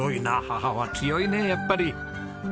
母は強いねやっぱり。